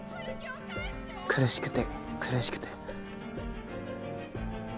苦しくて苦しくて。